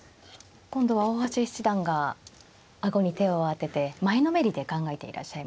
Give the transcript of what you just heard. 今度は大橋七段が顎に手を当てて前のめりで考えていらっしゃいます。